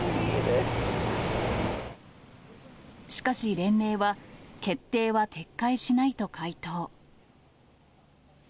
しかし連盟は、決定は撤回しないと回答。